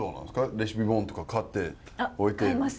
レシピ本とか買って置いている？